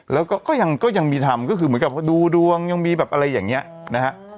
แล้วก็ก็ยังมีทำก็คือเหมือนกับดูดวงยังมีแบบอะไรอย่างนี้นะฮะ